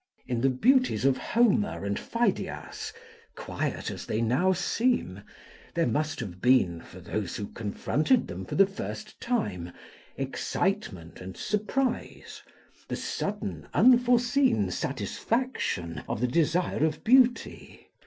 In the beauties of Homer and Pheidias, quiet as they now seem, there must have been, for those who confronted them for the first time, excitement and surprise, the sudden, unforeseen satisfaction of the desire of beauty.